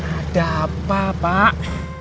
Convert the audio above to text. ada apa pak